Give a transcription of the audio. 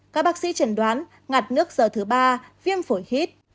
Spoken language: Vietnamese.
các bác sĩ chẳng đoán ngạt nước giờ thứ ba viêm phổi khít